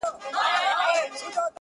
ویل ځه مخته دي ښه سلا مُلاجانه -